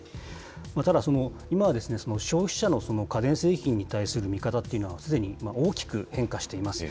ただ、今は、消費者の家電製品に対する見方というのは、すでに大きく変化しています。